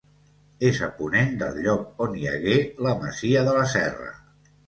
És a ponent del lloc on hi hagué la masia de la Serra.